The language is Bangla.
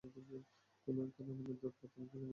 কোনো এক কারণে বিদ্যুৎ বর্তনীটা কম্পাসের খুব কাছে চলে আসে।